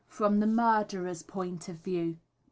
From the Murderer's point of view.